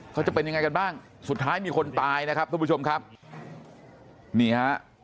เขาจะเป็นยังไงกันบ้างสุดท้ายมีคนตายนะครับส่วนผู้ชมไทย